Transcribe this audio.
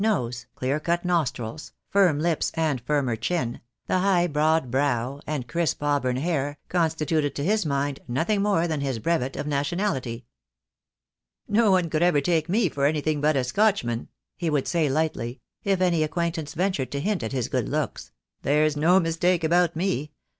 nose, clear cut nostrils, firm lips and firmer chin, the high broad brow, and crisp auburn hair, constituted to his mind nothing more than his brevet of nationality. "No one would ever take me for anything but a Scotchman," he would say lightly, if any acquaintance ventured to hint at his good looks. "There's no mistake about me.